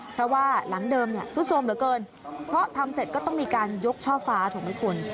เพราะว่าหลังเดิมเนี่ยซุดสมเหลือเกินเพราะทำเสร็จก็ต้องมีการยกช่อฟ้าถูกไหมคุณ